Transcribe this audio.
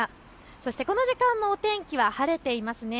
そしてこの時間のお天気は晴れていますね。